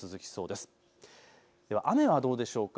では雨はどうでしょうか。